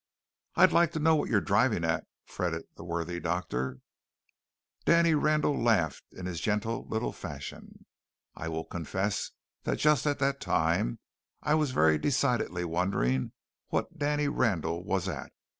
"I'd like to know what you are driving at!" fretted the worthy doctor. Danny Randall laughed in his gentle little fashion. I will confess that just at that time I was very decidedly wondering what Danny Randall was at.